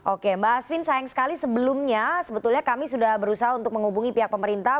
oke mbak asvin sayang sekali sebelumnya sebetulnya kami sudah berusaha untuk menghubungi pihak pemerintah